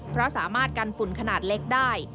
เพราะสามารถกันฝุ่นขนาดเล็กได้